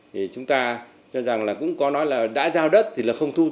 thì chúng ta cho rằng là cũng có nói là đã giao đất thì là không thu